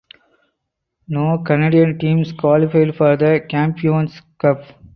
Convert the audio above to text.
No Canadian teams qualified for the Campeones Cup.